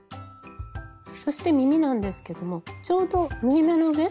そして耳なんですけどもちょうど縫い目のね